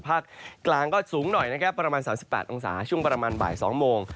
ภาคกลางก็สูงหน่อยนะครับประมาณ๓๘องศาช่วงประมาณบ่าย๒โมง